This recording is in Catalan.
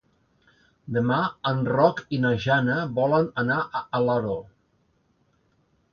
Demà en Roc i na Jana volen anar a Alaró.